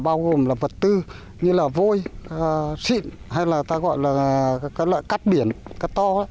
bao gồm là vật tư như là vôi xịn hay là ta gọi là các loại cắt biển cắt to